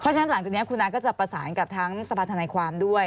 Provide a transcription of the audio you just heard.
เพราะฉะนั้นหลังจากนี้คุณน้าก็จะประสานกับทั้งสภาธนาความด้วย